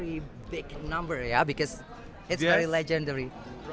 ini adalah jumlah yang besar ya karena sangat legendaris